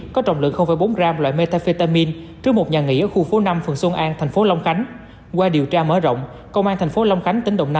có trọng lượng bốn gram loại metafetamin trước một nhà nghỉ ở khu phố năm phường xuân an thành phố long khánh